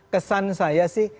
kesan saya sih